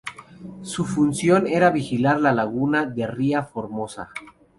Su función era vigilar la laguna de Ria Formosa.